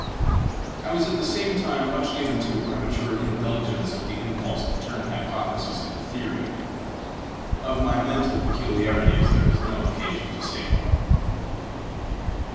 I was at the same time much given to a premature indulgence of the impulse to turn hypothesis into theory. Of my mental peculiarities there is no occasion to say more.